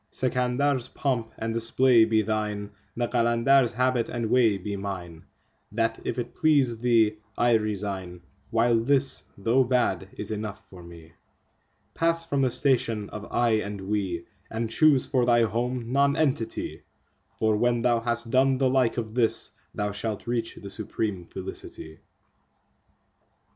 Sikandar's3 pomp and display be thine, the Qalandar's4 habit and way be mine; That, if it please thee, I resign, while this, though bad, is enough for me. Pass from the station of "I" and "We," and choose for thy home Nonentity, For when thou has done the like of this, thou shalt reach the supreme Felicity.